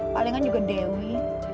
palingan juga dewi